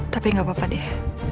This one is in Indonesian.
tapi gak papa deh